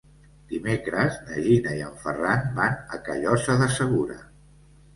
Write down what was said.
Dimecres na Gina i en Ferran van a Callosa de Segura.